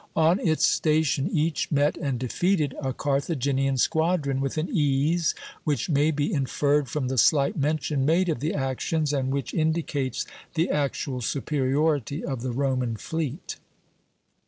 On its station each met and defeated a Carthaginian squadron with an ease which may be inferred from the slight mention made of the actions, and which indicates the actual superiority of the Roman fleet.